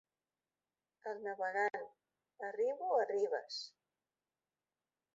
El navegant: —Arribo a ribes.